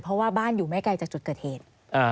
เพราะว่าบ้านอยู่ไม่ไกลจากจุดเกิดเหตุ